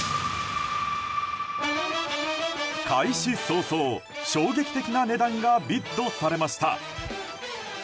開始早々、衝撃的な値段がビッドされました。